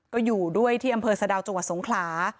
ก็อยู่ด้วยที่อำเภอสะดาวจังหวัดสงขลา